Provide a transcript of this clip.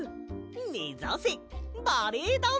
めざせバレエダンサー！